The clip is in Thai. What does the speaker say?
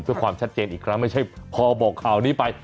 เพื่อความชัดเจนอีกครั้งไม่ใช่พอบอกข่าวนี้ไป